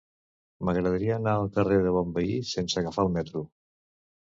M'agradaria anar al carrer de Bonveí sense agafar el metro.